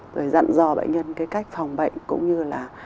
rồi dặn dò bệnh nhân cái cách phòng bệnh cũng như là